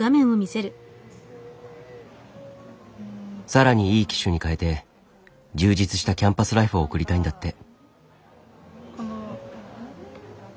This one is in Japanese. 更にいい機種に換えて充実したキャンパスライフを送りたいんだって。